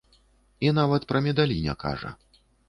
І нават пра медалі не кажа.